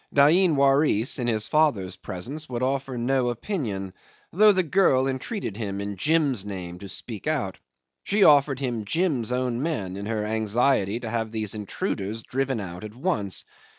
Dain Waris in his father's presence would offer no opinion, though the girl entreated him in Jim's name to speak out. She offered him Jim's own men in her anxiety to have these intruders driven out at once.